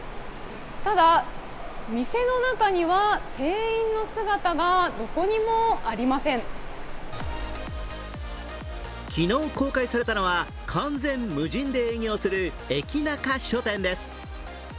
ただ店の中には店員の姿が昨日公開されたのは完全無人で営業する駅ナカ書店です。